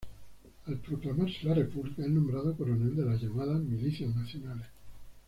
Al proclamarse la República es nombrado coronel de las llamadas Milicias Nacionales.